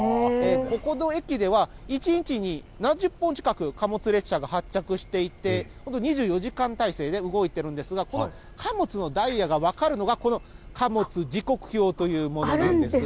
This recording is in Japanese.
ここの駅では、１日に何十本近く貨物列車が発着していて、２４時間体制で動いてるんですが、この貨物のダイヤが分かるのが、この貨物時刻表というものなんです。